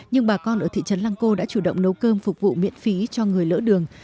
nhưng bà con ở thị trấn lăng cô đã chủ động nấu cơm phục vụ miễn phí cho người lỡ đường